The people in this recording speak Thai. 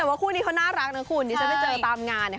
แต่ว่าคู่นี้เขาน่ารักนะคุณนี่ฉันได้เจอตามงานเนี่ย